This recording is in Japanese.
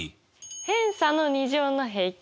偏差の２乗の平均？